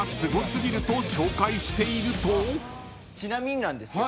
ちなみになんですけど。